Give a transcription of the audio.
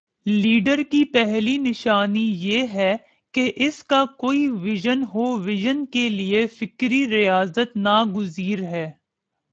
Leader کی پہلی نشانی یہ ہے کہ اس کا کوئی وژن ہو وژن کے لیے فکری ریاضت ناگزیر ہے۔